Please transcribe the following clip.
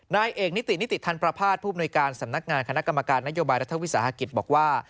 นายเอกนิตินิติธรรมประพาทผู้อำนวยการสำนักงานคณะกรรมการนโยบายรัฐวิสาหกิจบอกว่า